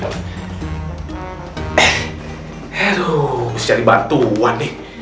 aduh harus cari bantuan nih